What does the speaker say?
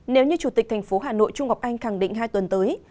nếu như chủ tịch thành phố hà nội trung ngọc anh khẳng định hai tuần tới